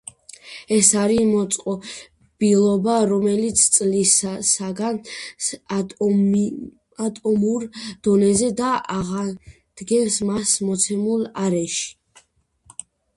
ეს არის მოწყობილობა რომელიც შლის საგანს ატომურ დონეზე და აღადგენს მას მოცემულ არეში.